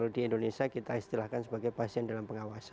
di indonesia kita istilahkan sebagai pasien dalam pengawasan